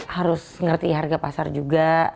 harus ngerti harga pasar juga